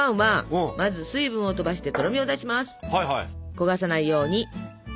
焦がさないように。